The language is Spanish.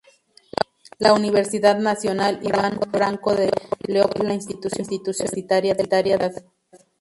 La Universidad Nacional Ivan Franko de Leópolis es la institución universitaria de la ciudad.